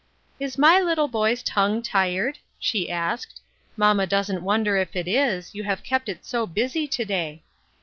"Is my little boy's tongue tired?" she asked; " mamma doesn't wonder if it is, you have kept it so busy to day."